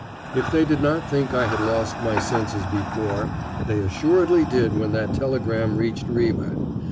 If they did not think I had lost my senses before, they assuredly did when that telegram reached Ribe.